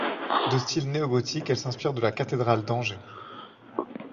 De style néogothique, elle s'inspire de la cathédrale d'Angers.